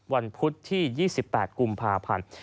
พุธที่๒๘กุมภาพันธ์